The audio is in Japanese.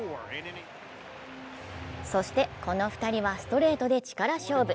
そして、この２人はストレートで力勝負。